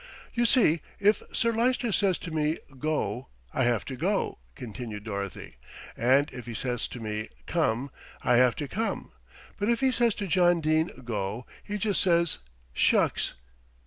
"You see, if Sir Lyster says to me 'go,' I have to go," continued Dorothy, "and if he says to me 'come,' I have to come; but if he says to John Dene 'go,' he just says 'shucks.'"